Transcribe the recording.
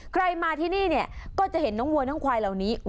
ใครมาที่นี่เนี่ยก็จะเห็นน้องวัวน้องควายเหล่านี้